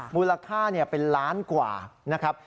มูลค่าเป็นล้านกว่านะครับ